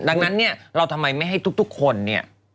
ดังนั้นเราทำไมไม่ให้ทุกคนนี้